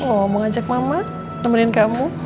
oh mau ajak mama temenin kamu